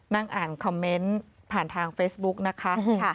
นั่งอ่านคอมเมนต์ผ่านทางเฟซบุ๊กนะคะ